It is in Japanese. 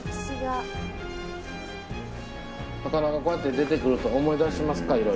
こうやって出てくると思い出しますか？